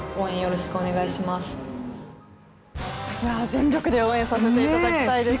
全力で応援させていただきたいですね。